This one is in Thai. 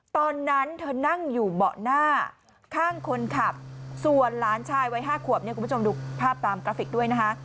ตอนนั้นเธอนั่งอยู่เบาะหน้าข้างคนขับส่วนหลานชายวัย๕ขวบเนี่ยคุณผู้ชมดูภาพตามกราฟิกด้วยนะคะ